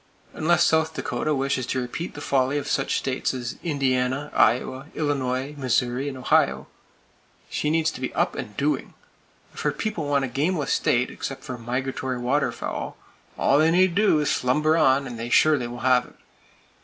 Unless South Dakota wishes to repeat the folly of such states as Indiana, Iowa, Illinois, Missouri and Ohio, she needs to be up and doing. If her people want a gameless state, except for migratory waterfowl, all they need do is to slumber on, and they surely will have it.